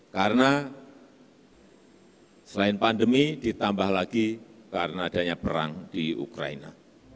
karena selain pandemi ditambah lagi karena adanya perang di ukraina